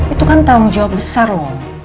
itu kan tanggung jawab besar loh